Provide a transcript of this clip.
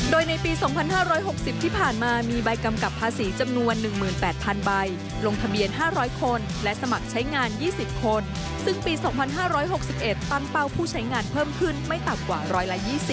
โดยในปี๒๕๖๐ที่ผ่านมามีใบกำกับภาษีจำนวน๑๘๐๐๐ใบลงทะเบียน๕๐๐คนและสมัครใช้งาน๒๐คนซึ่งปี๒๕๖๑ตั้งเป้าผู้ใช้งานเพิ่มขึ้นไม่ต่ำกว่า๑๒๐